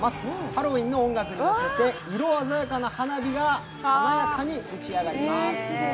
ハロウィーンの音楽にのせて色鮮やかな花火が華やかに打ち上がります。